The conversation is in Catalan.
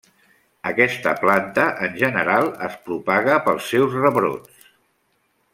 Aquesta planta en general es propaga pels seus rebrots.